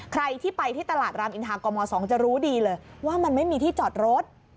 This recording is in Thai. ใครที่ไปที่ตลาดรามอินทากม๒จะรู้ดีเลยว่ามันไม่มีที่จอดรถ